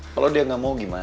kalau dia nggak mau gimana